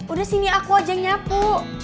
udah sini aku aja yang nyapu